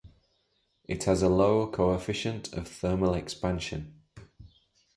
It has a low coefficient of thermal expansion.